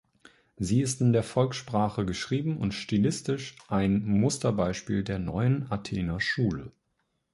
Sie ist in der Volkssprache geschrieben und stilistisch ein Musterbeispiel der neuen Athener Schule.